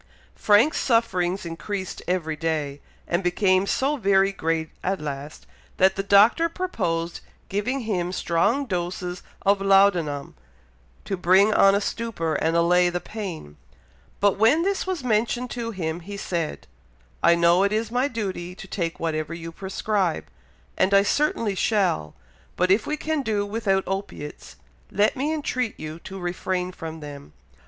'" Frank's sufferings increased every day, and became so very great at last, that the Doctor proposed giving him strong doses of laudanum, to bring on a stupor and allay the pain; but when this was mentioned to him, he said, "I know it is my duty to take whatever you prescribe, and I certainly shall, but if we can do without opiates, let me entreat you to refrain from them.